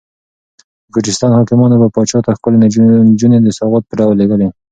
د ګرجستان حاکمانو به پاچا ته ښکلې نجونې د سوغات په ډول لېږلې.